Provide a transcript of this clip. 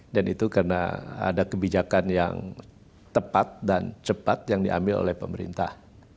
dan itu karena ada kebijakan yang tepat dan cepat yang diambil oleh pemerintah